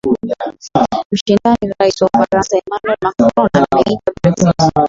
mshindani Rais wa Ufaransa Emmanuel Macron ameiita Brexit